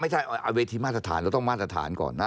ไม่ใช่เวทีมาสถานเราต้องมาสถานก่อนนะ